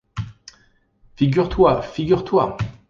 Figure-toi ! figure-toi !